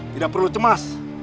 tidak perlu cemas